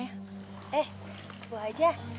eh bu haja